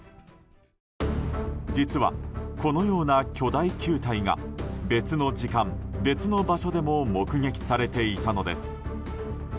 実は、このような巨大球体が別の時間、別の場所でも目撃されていたのです。